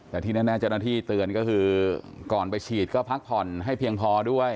แต่ที่แน่เจ้าหน้าที่เตือนก็คือก่อนไปฉีดก็พักผ่อนให้เพียงพอด้วย